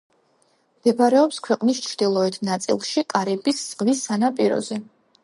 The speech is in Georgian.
მდებარეობს ქვეყნის ჩრდილოეთ ნაწილში, კარიბის ზღვის სანაპიროზე.